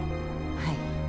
はい。